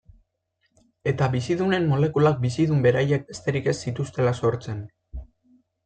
Eta bizidunen molekulak bizidun beraiek besterik ez zituztela sortzen.